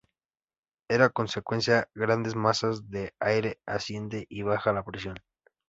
En consecuencia, grandes masas de aire ascienden y baja la presión.